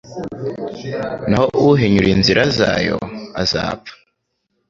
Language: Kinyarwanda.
naho uhinyura inzira zayo azapfa